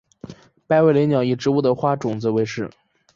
白尾雷鸟以植物的花叶种子为食。